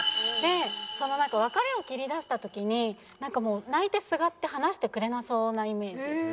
で別れを切り出した時になんかもう泣いてすがって離してくれなそうなイメージ。